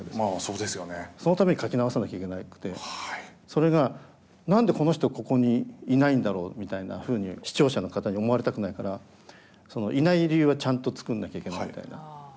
それが何でこの人ここにいないんだろうみたいなふうに視聴者の方に思われたくないからいない理由はちゃんと作んなきゃいけないみたいな。